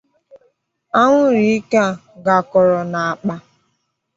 anwụrụ ike a gakọrọ n'àkpà